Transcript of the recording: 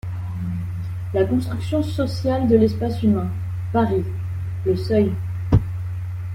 La construction sociale de l’espace humain, Paris: Le Seuil.